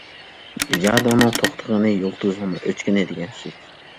ئىجادىڭنىڭ توختىغىنى- يۇلتۇزۇڭنىڭ ئۆچكىنى، دېگەن سۆز.